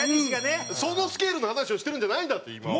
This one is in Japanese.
そのスケールの話をしてるんじゃないだと今は。